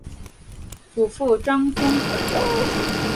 祖父张宗纯。